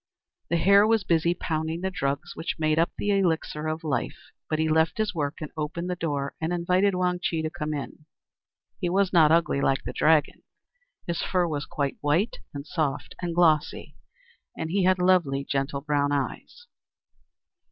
The Hare was busy pounding the drugs which make up the elixir of life; but he left his work, and opened the door, and invited Wang Chih to come in. He was not ugly, like the Dragon; his fur was quite white and soft and glossy, and he had lovely, gentle brown eyes.